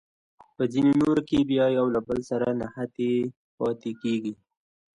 په ځینو نورو کې بیا یو له بل سره نښتې پاتې کیږي.